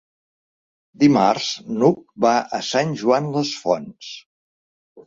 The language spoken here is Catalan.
Dimarts n'Hug va a Sant Joan les Fonts.